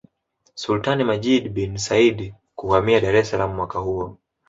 Sultani Majid bin Said kuhamia Dar es Salaam mwaka huo